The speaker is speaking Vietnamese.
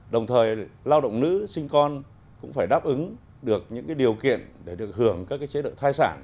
đồng thời lao động nữ sinh con cũng phải đáp ứng được những điều kiện để được hưởng các chế độ thai sản